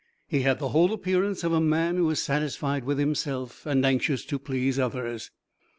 He had the whole appearance of a man who is satisfied with himself and anxious to please others.